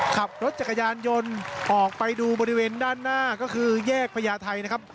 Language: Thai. ขับรถจักรยานยนต์ออกไปดูบริเวณด้านหน้าก็คือแยกพญาไทยนะครับ